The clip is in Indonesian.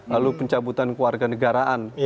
lalu pencabutan kewarganegaraan